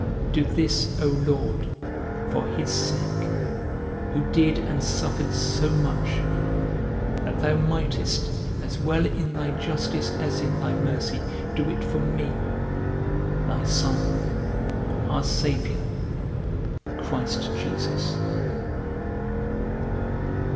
Do this, O Lord, for his sake, who did and suffered so much, that thou mightest, as well in thy justice as in thy mercy, do it for me, thy Son, our Saviour, Christ Jesus.